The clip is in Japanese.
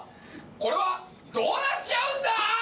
これはどうなっちゃうんだ！？